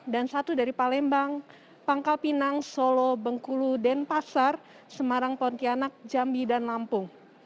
dan satu dari palembang pangkal pinang solo bengkulu denpasar semarang pontianak jambi dan lampung